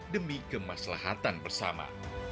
demi kemaslahatan bersama